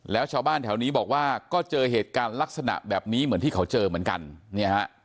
แล้วชาวบ้านแถวนี้บอกว่าก็เจอเหตุการณ์ลักษณะแบบนี้เหมือนที่เขาเจอเหมือนกันเนี่ยฮะ